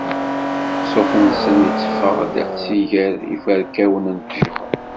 Ṣṣut-nsen itteffeɣ-d si gar yifurkawen n ttjur.